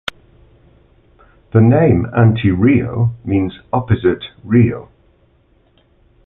The name Antirrio means "opposite Rio".